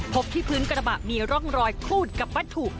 พบที่พื้นกระบะมีร่องรอยคูดกับวัตถุ